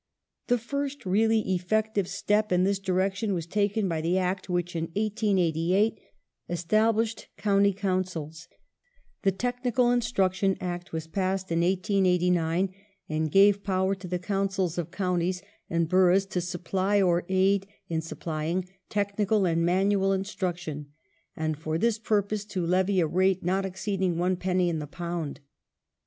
The fii st really effective step in this direction was taken by the The Act which in 1888 established County Councils. The Technical Technical *^. Instruc Instruction Act was passed in 1889, and gave power to the Councils tion Act, of counties and boroughs to supply or aid in supplying technical ^^^^ and manual instruction, and for this purpose to levy a rate not exceeding one penny in the pound.